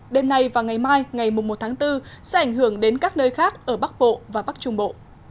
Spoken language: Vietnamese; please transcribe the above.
đêm nay và ngày mai ngày một tháng bốn sẽ ảnh hưởng đến các nơi khác ở bắc bộ và bắc trung bộ